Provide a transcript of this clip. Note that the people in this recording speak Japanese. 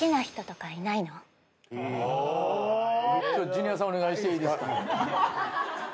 ジュニアさんお願いしていいですか？